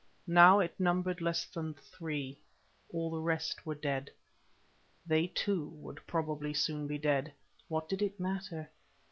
Now it numbered less than three; all the rest were dead. They, too, would probably soon be dead. What did it matter?